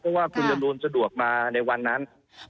เพราะว่าคุณจรูนสะดวกมาในวันนั้น